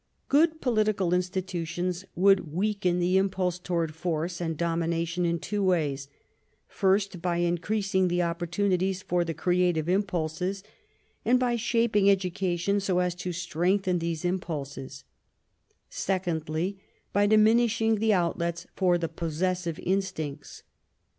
Good political institutions would weaken the impulse toward force and domination in two ways: first, by increasing the opportunities for the creative impulses, and by shaping education so as to strengthen these impulses; secondly, by diminishing the outlets for the possessive instincts.